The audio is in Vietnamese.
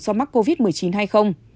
do mắc covid một mươi chín hay không